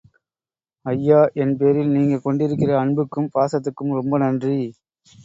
ஐயா, என்பேரில் நீங்க கொண்டிருக்கிற அன்புக்கும் பாசத்துக்கும் ரொம்ப நன்றி.